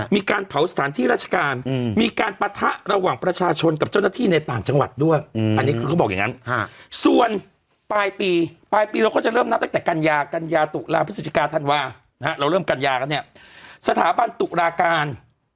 พฤศจิกาท่านว่านะฮะเราเริ่มกัญญากันเนี้ยสถาบันตุลาการ